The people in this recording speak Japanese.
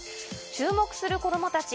注目する子供たち。